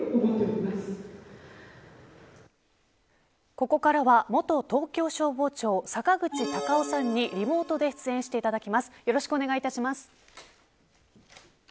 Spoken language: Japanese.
ここからは、元東京消防庁坂口隆夫さんにリモートで出演していただきます。